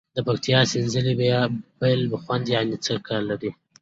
د پکتیکا سینځلي بیل خوند یعني څکه لري.